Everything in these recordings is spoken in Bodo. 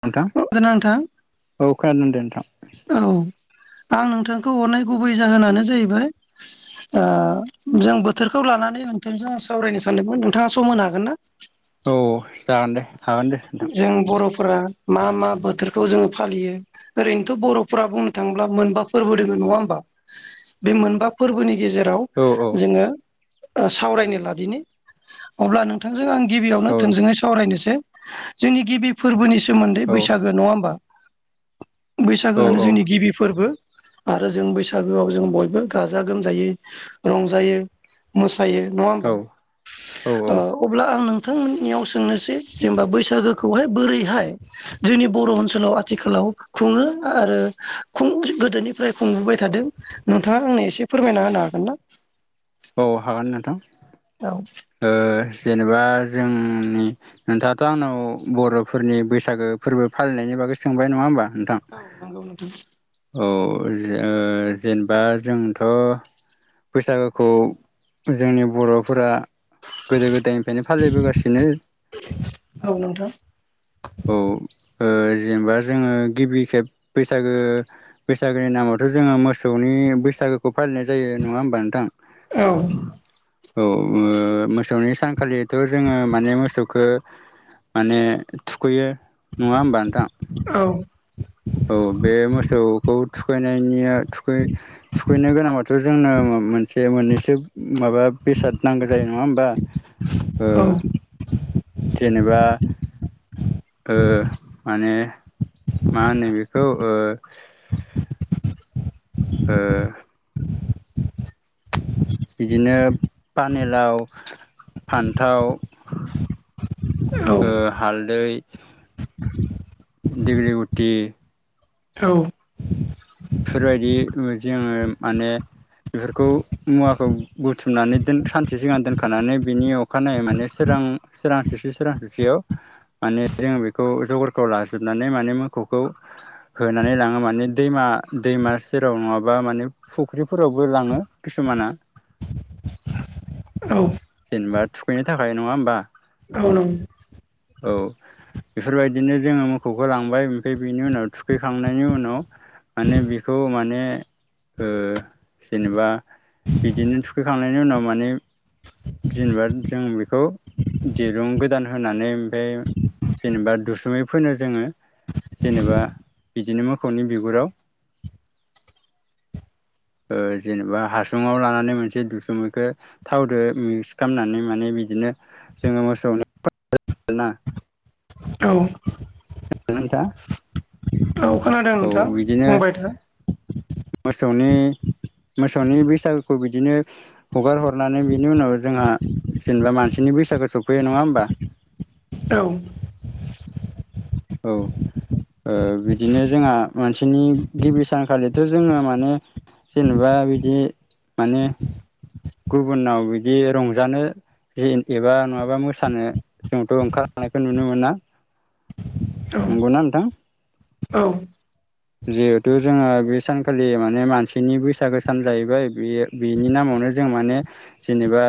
नोंथां खोनादोंना नोंथां औ खोनादों दे नोंथां औ आं नोंथांखौ हरनाय गुबै जाहोनानो जाहैबाय ओ जों बोथोरखौ लानानै नोंथांजों सावरायनो सानदोंमोन नोंथाङा सम होनो हागोन ना? औ जागोन दे हागोन दे नोंथां जों बर'फोरा मा मा बोथोरखौ जोङो फालियो ओरैनोथ' बर'फोरा बुंनो थाङोब्ला मोनबा फोरबो दोङो नङा होमबा? बे मोनबा फोरबोनि गेजेराव औ जोङो ओ सावरायनो लादिनो अब्ला नोंथां जों आं गिबियावनो औ थोंजोङै सावरायनोसै जोंनि गिबि फोरबोनि सोमोन्दै औ बैसागो नङा होमबा? बैसागोआनो औ जोंनि गिबि फोरबो। आरो जों बैसागोआव जों बयबो गाजा गोमजायै रंजायो मोसौ थायो नङा औ होमबा औ ओ अब्ला आं नोंथांमोननियाव सोंनोसै जेनेबा बैसागोखौहाय बोरैहाय जोंनि बर' ओनसोलाव आथिखालाव खुङो आरो [unintelligible] गोदोनिफ्राय खुंबोबाय थादों नोंथाङा आंनो एसे फोरमायना होनो हागोन ना? औ हागोन नोंथां औ ओ जेनेबा जोंनि नोंथाङाथ' आंनाव बर'फोरनि बैसागो फोरबो फालिनायनि बागै बागै सोंबाय नङा होमबा? नोंथां औ नंगौ नोंथां औ जेनेबा जोंथ' बैसागोखौ जोंनि बर'फोरा गोदो गोदायनिफ्रायनो फालिबोगासिनो औ नोंथां औ ओ जेनबा जोङो गिबि खेब बैसागो बैसागोनि नामावथ' जोङो मोसौनि बैसागो खौ फालिनाय जायो नङा होमबा नोंथां? औ औ मोसौनि सानखालिथ' जोङो माने मोसौखो माने थुखैयो नङा होमबा नोंथां? औ औ औ बे मोसौखौ थुखैनायनिया थुखैनो गोनांबाथ' जोंनो मोनसे मोननैसो माबा बेसाद नांगौ जायो नङा होमबा अ औ जेनेबा ओ माने मा होनो बेखौ ओ ओ बिदिनो पानेलाव फान्थाव ओ हालदै दिगलि गुथि औ बेफोरबायदि जोङो माने बेफोरखौ मुवाखौ बुथुमनानै दोन सानसे सिगां दोनखानानै बिनि अखानायै माने सोरां सोरांसि सोरांसियाव माने जोङो बेखौ जगरखौ लाजोबनानै माने मोखौखौ होनानै लाङो माने दैमा दैमा सेराव नङाबा माने फुख्रिफोरावबो लाङो किसुमाना [inaudible] जेनेबा थुखैनो थाखाय नङा होमबा औ [inaudible] बेफोरबायदिनो जोङो मोखौखौ लांबाय ओमफ्राय बेनि उनाव थुखैखांनायनि उनाव माने बेखौ माने ओ जेनेबा बिदिनो थुखैखांनायनि उनाव माने जेनेबा जों बेखौ दिरुं गोदान होनानै ओमफाय जेनेबा दुसुमै फोनो जोङो जेनेबा बिदिनो मोसौनि बिगुराव जेनेबा हासुुंवाव लानानै मोनसे दुसुमैखौ थावदो मिक्स खालामनानै माने बिदिनो जोङो मोसौनो आरोना औ [unintelligible] औ खोनादों औ नोंथां बिदिनो बुंबाय था मोसौनि मोसौनि बैसागुखौ बिदिनो हगार हरनानै बिनि उनाव जोंहा जेनेबा मानसिनि बैसागो सफै नङा होमबा औ औ बिदिनो जोंहा मानसिनि गिबि सानखालिथ' जोङो माने जेनेबा बिदि माने गुबुनाव बिदि रंजानो जे एबा नङाबा मोसानो जोंथ' ओंखारलांना- खौ नुनो मोना औ नंगौना नोंथां औ जिहेथु जोङो बे सानखालि माने मानसिनि बैसागो सान जाहैबाय बे बेनि नो नामावनो जों माने जेनेबा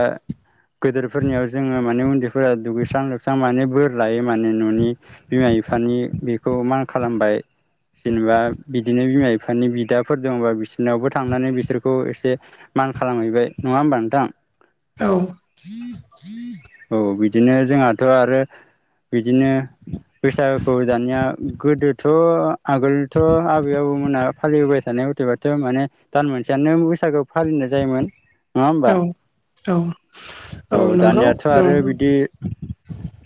गोदोरफोरनियाव जोङो माने उन्दैफोरा दुगैस्रां लोबस्रां माने बोर लायो माने न'नि बिमा बि- फानि बेखौ मान खालामबाय जेनेबा बिदिनो बिमा बिफानि बिदाफोर दङबा बिसोरनावबो थांनानै बिसोरखौ एसे मान खालामहैबाय नङा होमबा नोंथां औ औ बिदिनो जोंहाथ' आरो बिदिनो बैसागुखौ दानिया गोदोथ' आगोलथ' आबै आबौमोना फालिबोबाय थानाय बाथ' माने दान मोनसेयानो बैसागु फालिनाय जायोमोन। नङा होमबा औ औ औ नंगौ दानियाथ' औ आरो बिदि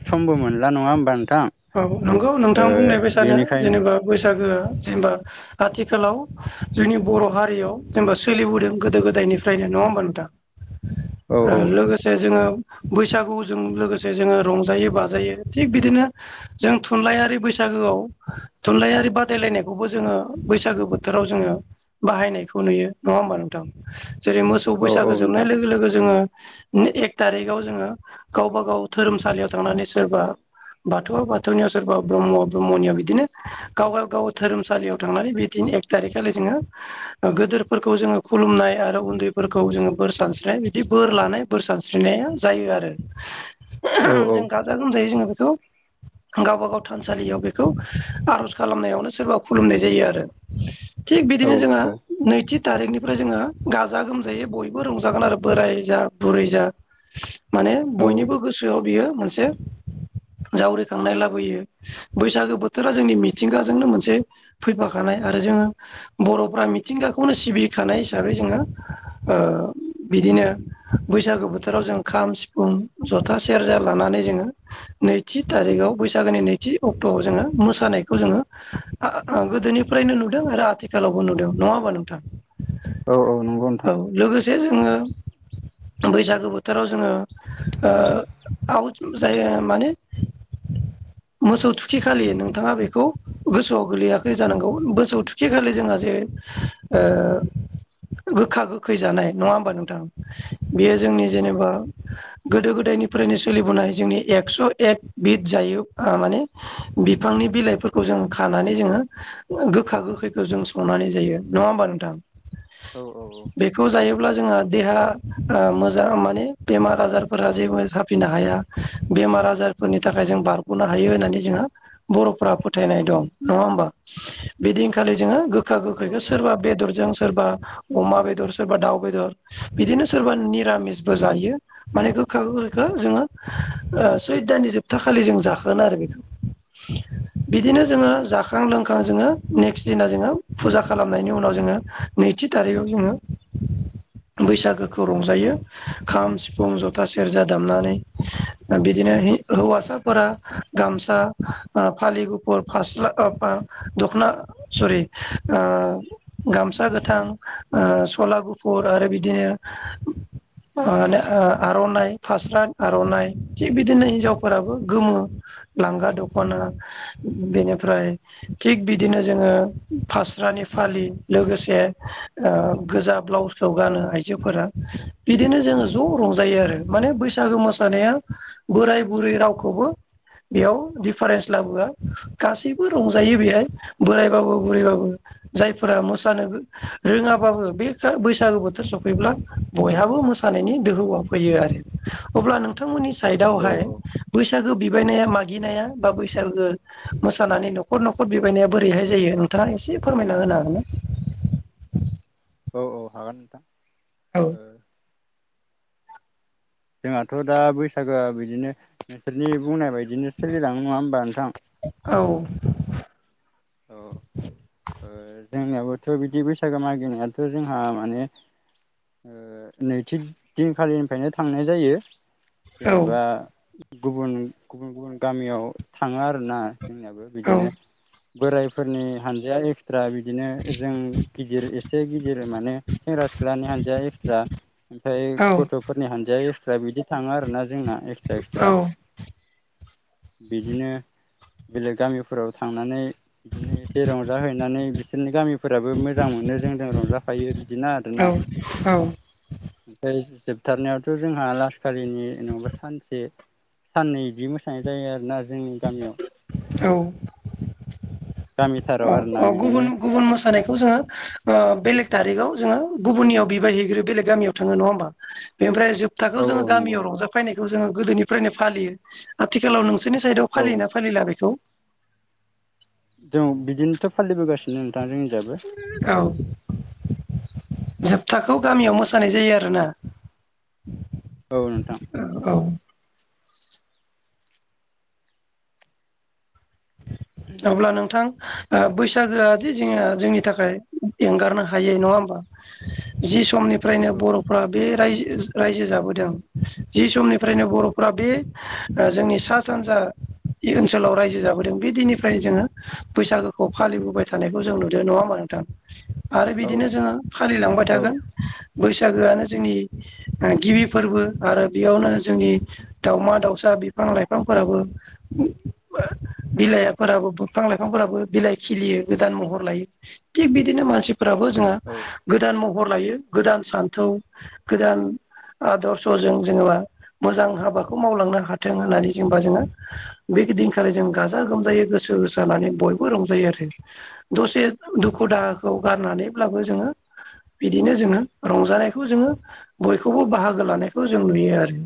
समबो मोनला नङा होमबा नोंथां औ नंगौ ओ नोंथां बुंनाय बायसानो बेनिखायनो जेनेबा बैसागोआ जेनेबा आथिखालाव जोंनि बर' हारियाव जेनेबा सोलिबोदों गोदो गोदायनिफ्रायनो नङा होनबा नोंथां औ औ लोगोसे जोङो बैसागुजों लोगोसे जोङो रंजायो बाजायो थिग बिदिनो जों थुनलाइयारि बैसागोआव थुनलाइयारि बादायलायनायखौबो जोङो बैसागो बोथोर जोङो बाहायनायखौ नुयो नङा होमबा नोंथां जेरै मोसौ औ औ बैसागो जोबनाय नोंथां लोगो लोगो जोङो एक थारिखाव जोङो गावबा गाव धोरोमसालियाव थांनानै सोरबा बाथौआ बाथौनियाव सोरबा ब्रह्मआ ब्रह्मनियाव बिदिनो गावबा गाव धोरोमसालियाव थांनानै बिदिनो एक थारिखालि जोङो गेदोरफोरखौ जोङो खुलुमनाय आरो उन्दैफोरखौ जोङो बोर सानस्रिनाय बिदि बोर लानाय बोर सानस्रिनाया जायो आरो औ औ जों गाजा गोमजायै जोङो बेखौ। [unintelligible] गावबा गाव थानसालियाव बेखौ आर'ज खालामनायावनो सोरबा खुलुमनाय जायो आरो। थिग औ बिदिनो जोङो नैथि। तारिकनिफ्राय जोङो गाजा गोमजायै बयबो रंजागोन आरो बोराय जा बुरै जा। माने औ बयनिबो गोसोआव बियो मोनसे। जावरिखांनाय लाबोयो बैसागो बोथोरा जोंनि मिथिंगाजोंनो मोनसे फैफाखानाय आरो। जोङो बर'फोरा मिथिंगाखौनो सिबिखानाय हिसाबै जोङो ओ बिदिनो। नो बैसागो बोथोराव जों खाम सिफुं जथा सेरजा लानानै जोङो। नैथि थारिखआव बैसागोनि नैथि अक्ट'आव जोङो मोसानायखौ जोङो आ गोदोनिफ्राय। नो नुदों आरो आथिखालावबो नुदों नङाबा नोंथां। औ औ नंगौ औ नोंथां लोगोसे जोङो। बैसागो बोथोराव जोङो ओ आउट जायो माने। [inaudible] मोसौ थुखि खालि नोंथाङा बेखौ गोसोआव गोलैयाखै जानांगौ मोसौ थुखि खालि जोंङो। जे औ गोखा गोखै जानाय नंङा होमबा नोंथां। बेयो औ जोंनि जेनेबा गोदो गोदायनिफ्रायनो सोलिबोनाय जोंनि एक्स'। एक बिद जायो माने बिफांनि बिलाइफोरखौ जों खानानै जोङो। गोखा गोखैखौ जों संनानै जायो नङा होमबा नोंथां औ औ औ बेखौ जायोब्ला जों आ। देहा ओ मोजां माने बेमार आजारफोरा जेबो साफिनो हाया बेमार आजार। फोरनि थाखाय जों बारग'नो हायो होननानै जोंहा बर'फ्रा फोथायनाय दं नङा होमबा बिदि। खालि जोंङो गोखा औ गोखैखौ औ सोरबा बेदरजों। सोरबा अमा बेदर सोरबा दाउ बेदर बिदिनो सोरबा निरामिसबो जायो माने। गोखा गोखैखौ जोंङो ओ सु दाननि जोबथा खालि जों जाखोन आरो बेखौ बिदिनो जोंङो जाखां लोंखां जोंङो नेक्स्ट दिना जोङो फुजा खालामनायनि उनाव जोङो नैथि थारिखआव जोंङो [inaudible] बैसागोखौ रंजायो खाम सिफुं जथा सेरजा दामनानै बिदिनो हि। हौवासाफोरा गामसा ओ फालि गुफुर फास्ला ओ दख'ना। सरि ओ गामसा गोथां ओ सला गुफुर आरो बिदिनो। माने आर'नाइ फास्रां आर'नाइ थिग बिदिनो हिनजाव फोराबो गोमो लांगा दख'ना बेनिफ्राय थिग बिदिनो जोंङो। ओ फास्रानि फालि लोगोसे ओ गोजा ब्लाउसखौ गानो आइजो। फोरा बिदिनो जोंङो ज' रंजायो आरो माने बैसागो मोसानाया बोराय बुरै रावखौबो। बेयाव दिडफारेन्स लाबोआ गासैबो रंजायो बेहाय बोरायबाबो बुरैबाबो। जायफोरा मोसानो रोङाबाबो बे बैसागो बोथोर सफैब्ला बयहाबो मोसानायनि दोहौआव फैयो आरो अब्ला नोंथांमोननि औ साइदआवहाय बैसागो बिबायनाया मागिनाया बा बैसागो मोसानानै न'खर न'खर बिबायनाया बोरैहाय जायो? नोंथाङा एसे फोरमायना होनो हागोन ना? औ औ हागोन नोंथां औ ओ। जोंहाथ' दा बैसागोआ बिदिनो नोंसोरनि बुंनाय बाय दिनो सोलिलाङो नङा होमबा नोंथां। औ औ। ओ जोंनियाबोथ' बिदि बैसागो मागिनायाथ' जोंहा माने ओ नैथि दिनखालिनिफ्रायनो थांनाय जायो। औ जेनेबा गुबुन- गुबुन- गुबुन गामियाव थाङो आरोना। जोंनियाबो औ बिदिनो बोरायफोरनि हानजाया ए ब्रा बिदिनो जों गिदिर एसे गि जेरै माने सेंग्रा सिख्लानि हानजाया एस्रा ओमफ्राय गथ'फोरनि हानजाया ए जसा बिदि थांङो आरोना। जोंना एक्सट्रा एक्सट्रा बिदिनो बेलेग गामिफोराव थांनानै बिदिनो एसे रंजाहैनानै बिसोरनि गामि फोराबो मोजां मोनो जों जों रंजाफायो बिदिना औ आरोना ओमफ्राय जोबथारनायावथ जोंहा लासखाारिनि जेनेबा सानसे साननै बिदि मोसानाय जायो आरोना जोंनि गामियाव औ गामिथाराव अ आरोना अ गुबुन बिदिनो गुबुन मोसानायखौ जोंङो बेलेग थारिखाव जोंङो गुबुननियाव बिबायहैग्रो बेलेग गामियाव थाङो नङा होमबा। बेनिफ्राय जोबथाखौ औ जोंङो औ नंगौ गामियाव रंजाफैनायखौ जोंङो गोदोनिफ्रायनो फालियो आथिखालाव नों नोंसोरनि साइदआव फालियो औ ना फालिला बेखौ? जों बिदिनोथ फालिबोगासिनो नोंथां जोंनिजाबो औ जोबथाखौ गामियाव मोसानाय जायो आरोना औ नोंथां औ अब्ला नोंथां। बैसागोआदि जोंङो जोंनि थाखाय एंगारनो हाय नङा होमबा जि समनि फ्रनो औ बरफ्रा बे राय रायजो जाबोदों जि समनिफ्रायनो बरफ्रा बे जोंनि सा सानजा बे ओनसोलाव रायजो जाबो बे दिननिफ्रायनो जोङो बैसागोखौ फालिबोबाय थानायखौ जों नुदों नङा होमा नोंथां आरो औ बिदिनो जोङो फालिलांबाय औ थागोन बैसागोआनो जोंनि गिबि फोरबो आरो बेयावनो जोंनि दाउमा दाउसा बिफां लाइफां फोराबो बिलाइफोराबो बिफां लाइफांफोराबो बिलाइ खिलियो गोदान महर लायो थिग बिदिनो मानसि फोराबो जोंहा औ गोदान महर लायो गोदान सान्थौ गोदान आदर्शजों जोङेबा मोजां हाबाखौ मावलांनो हाथों होननानै जेनेबा जोङो बे दिखा जों ग गाजा गोमजायै गोसो गोसानानै बयबो रंजायो आरो दसे दुखु दाहाखौ गारनानै अब्लाबो जोङो बिदिनो जोङो रंजानायखौ जोङो बयखौबो बाहागो लानायखौ जों नुयो आरो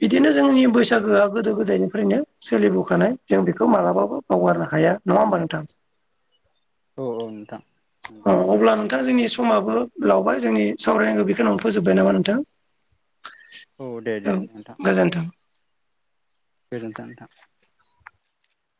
बिदिनो जोंनि बैसागोआ औ गोदो गोदायनिफ्रायनो सोलिबोखानाय जों बेखौ मालाबाबो बावगारनो हाया नङा होमबा नोंथां औ नोंथां औ नंगौ अब्ला नोंथां जोंनि समाबो लावबाय जोंनि सावरायनांगौ बेखौावं फोजोबबाय नामा नोंथां औ दे देथ नोंथां गोजोनथों नोंथां